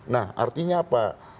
nah artinya apa